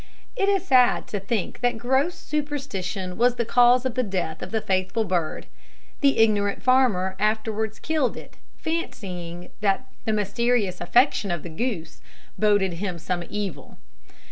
It is sad to think that gross superstition was the cause of the death of the faithful bird. The ignorant farmer afterwards killed it, fancying that the mysterious affection of the goose boded him some evil.